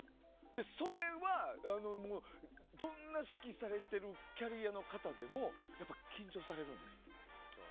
それは、どんな指揮をされているキャリアの方でも緊張されるんですって。